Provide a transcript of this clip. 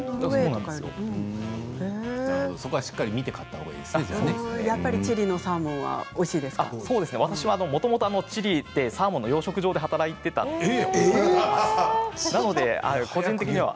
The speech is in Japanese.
そこはしっかり見てチリのサーモンは私はもともとチリでサーモンの養殖場で働いていたんですよ。